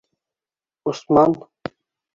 Усман